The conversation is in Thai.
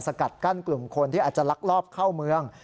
กัดกั้นกลุ่มคนที่อาจจะลักลอบเข้าเมือง